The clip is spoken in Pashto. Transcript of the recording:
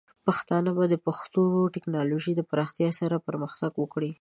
پښتانه به د پښتو د ټیکنالوجۍ پراختیا سره پرمختګ وکړي.